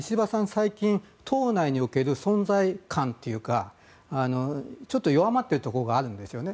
最近、党内における存在感というかちょっと弱まってるところがあるんですよね。